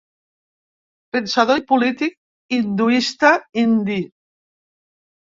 Pensador i polític hinduista indi.